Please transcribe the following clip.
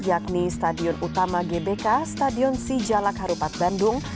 yakni stadion utama gbk stadion sijalak harupat bandung